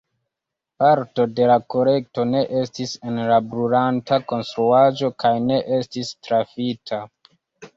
Parto de la kolekto ne estis en la brulanta konstruaĵo kaj ne estis trafita.